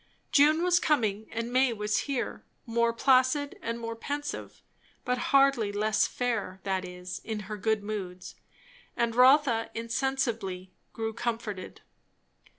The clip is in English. June was coming, and May was here; more placid and more pensive, but hardly less fair; that is, in her good moods; and Rotha insensibly grew comforted.